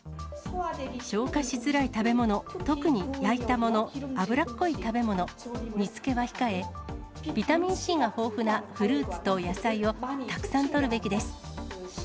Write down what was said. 消化しづらい食べ物、特に焼いたもの、油っこい食べ物、煮つけは控え、ビタミンＣが豊富なフルーツと野菜をたくさんとるべきです。